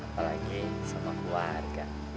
apalagi sama keluarga